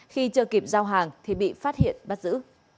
khi chưa kịp giao hàng thì bị phát hiện bắt giữ